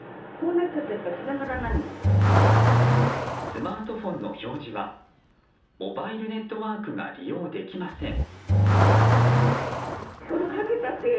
スマートフォンの表示はモバイルネットワークが利用できません。